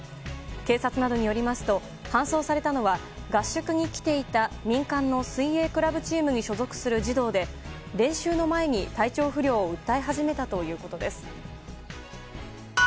警察などによりますと搬送されたのは合宿に来ていた民間の水泳クラブチームに所属する児童で練習の前に体調不良を訴え始めたということです。